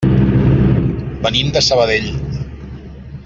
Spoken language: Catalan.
Venim de Sabadell.